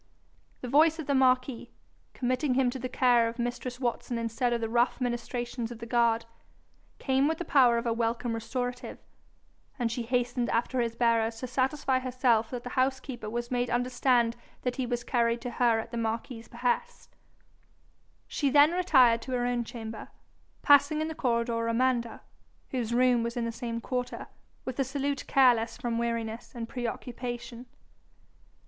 The voice of the marquis, committing him to the care of mistress Watson instead of the rough ministrations of the guard, came with the power of a welcome restorative, and she hastened after his bearers to satisfy herself that the housekeeper was made understand that he was carried to her at the marquis's behest. She then retired to her own chamber, passing in, the corridor Amanda, whose room was in the, same quarter, with a salute careless from weariness and preoccupation.